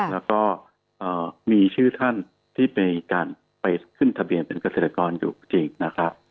แล้วก็มีชื่อท่านที่มีการไปขึ้นทะเบียนเป็นเกษตรกรอยู่จริงนะครับ